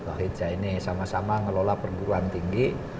wahid zaini sama sama ngelola perguruan tinggi